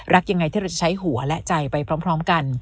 ยังไงที่เราจะใช้หัวและใจไปพร้อมกัน